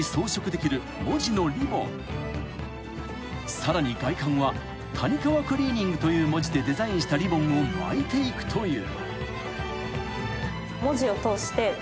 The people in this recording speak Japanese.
［さらに外観は「タニカワクリーニング」という文字でデザインしたリボンを巻いていくという］